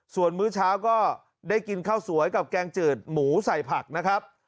ส่วนมื้อเช้าก็ได้กินข้าวสวยกับแกงจืดหมูใส่ผักนะครับ